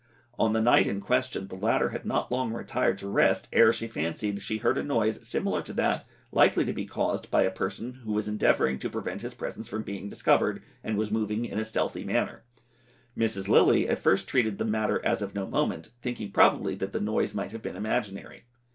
On the night in question the latter had not long retired to rest ere she fancied she heard a noise similar to that likely to be caused by a person who was endeavouring to prevent his presence from being discovered, and was moving in a stealthy manner. Mrs. Lilley at first treated the matter as of no moment, thinking probably that the noise might have been imaginary.